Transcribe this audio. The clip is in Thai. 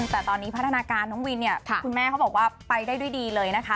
แต่ตอนนี้พัฒนาการน้องวินเนี่ยคุณแม่เขาบอกว่าไปได้ด้วยดีเลยนะคะ